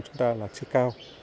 chúng ta là chứa cao